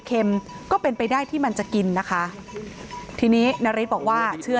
ก็เป็นไปได้ที่มันจะกินนะคะทีนี้นาริสบอกว่าเชื่อ